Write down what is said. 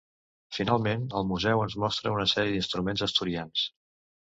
Finalment el museu ens mostra una sèrie d'instruments asturians.